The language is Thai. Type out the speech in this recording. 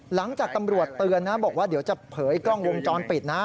หลังจากตำรวจเตือนนะบอกว่าเดี๋ยวจะเผยกล้องวงจรปิดนะ